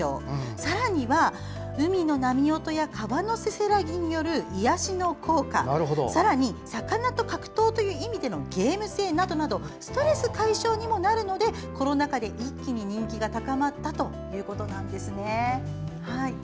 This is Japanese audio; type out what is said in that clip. さらには海の波音や川のせせらぎによる癒やしの効果さらに魚と格闘という意味でのゲーム性などなどストレス解消にもなるのでコロナ禍で一気に人気が高まったということなんです。